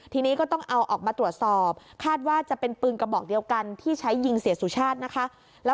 ทีนี้ก็ต้องเอาออกมาตรวจสอบคาดว่าจะเป็นปืนกระบอกเดียวกันที่ใช้ยิงเสียสุชาตินะคะ